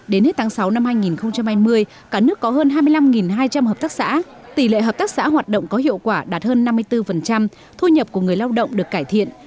đến hết tháng sáu năm hai nghìn hai mươi cả nước có hơn hai mươi năm hai trăm linh hợp tác xã tỷ lệ hợp tác xã hoạt động có hiệu quả đạt hơn năm mươi bốn thu nhập của người lao động được cải thiện